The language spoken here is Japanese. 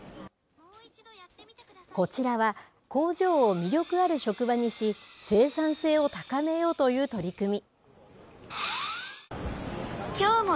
こちらは、工場を魅力ある職場にし、生産性を高めようという取り組み。